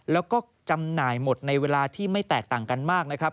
แล้วก็จำหน่ายหมดในเวลาที่ไม่แตกต่างกันมากนะครับ